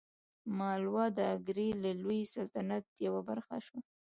مالوه د اګرې د لوی سلطنت یوه برخه شوه.